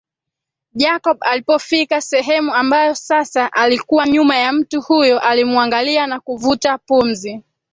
Jacob alipofika sehemu ambayo sasa alikuwa nyuma ya mtu huyo alimuangalia na kuvuta pumzi